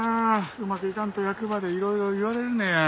うまくいかんと役場でいろいろ言われるねや。